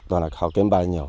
toàn là học kiếm bài nhiều